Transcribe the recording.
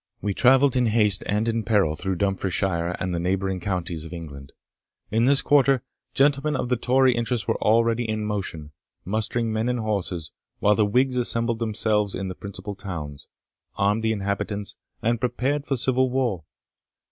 We travelled in haste and in peril through Dumfriesshire and the neighbouring counties of England. In this quarter, gentlemen of the Tory interest were already in motion, mustering men and horses, while the Whigs assembled themselves in the principal towns, armed the inhabitants, and prepared for civil war.